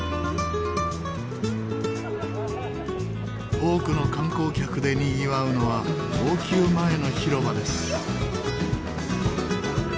多くの観光客でにぎわうのは王宮前の広場です。